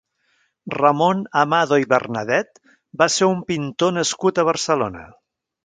Ramon Amado i Bernadet va ser un pintor nascut a Barcelona.